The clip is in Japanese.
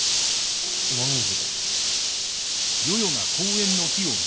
紅葉です。